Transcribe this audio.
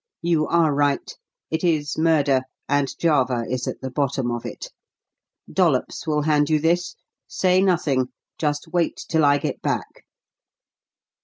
You are right. It is murder, and Java is at the bottom of it. Dollops will hand you this. Say nothing just wait till I get back."